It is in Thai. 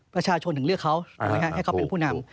ประชาชนถึงเลือกเขาถูกไหมฮะให้เขาเป็นผู้นำ